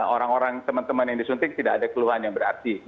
orang orang teman teman yang disuntik tidak ada keluhan yang berarti